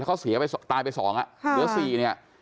แล้วเขาตายไป๒หรือ๔เนี่ย